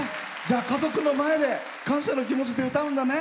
家族の前で感謝の気持ちで歌うんだね。